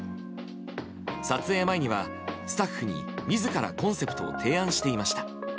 撮影前にはスタッフに自らコンセプトを提案していました。